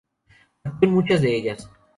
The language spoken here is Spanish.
Actuó en muchas de ellas.